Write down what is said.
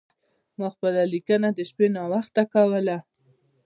ما خپله لیکنه د شپې ناوخته کوله.